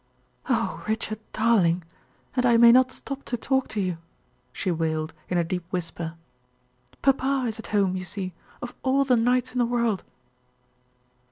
"Oh, Richard, darling, and I may not stop to talk to you!" she wailed, in a deep whisper. "Papa is at home, you see, of all the nights in the world."